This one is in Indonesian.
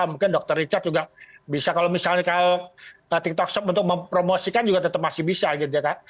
mungkin dokter richard juga bisa kalau misalnya tiktok shop untuk mempromosikan juga tetap masih bisa gitu ya kan